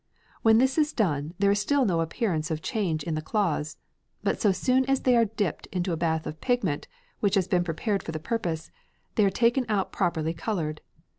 When this is done, there is still no appearance of change in the cloths; but so soon as they are dipped into a bath of the pigment, which has been prepared for the purpose, they are taken out properly coloured.